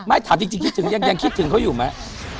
ถามจริงคิดถึงยังคิดถึงเขาอยู่ไหม